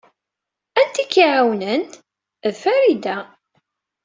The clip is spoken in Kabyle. Anta ay k-iɛawnen? D Farida.